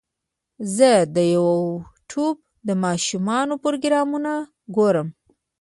زه د یوټیوب د ماشومانو پروګرامونه ګورم.